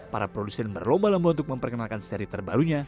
para produsen berlomba lomba untuk memperkenalkan seri terbarunya